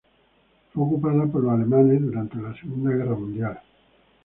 Fue ocupada por los alemanes durante la Segunda Guerra Mundial.